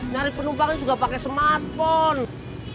nyari penumpangnya juga pakai smartphone